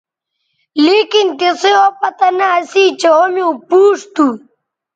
لیکن تسئ او پتہ نہ اسی چہء او میوں پوچ تھو